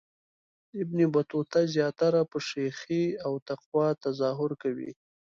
ابن بطوطه زیاتره په شیخی او تقوا تظاهر کوي.